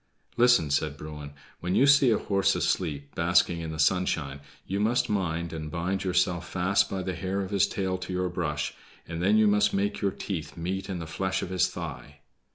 "Listen," said Bruin. "When you see a horse asleep, basking in the sunshine, you must mind and bind yourself fast by the hair of his tail to your brush, and then you must make your teeth meet in the flesh of his thigh."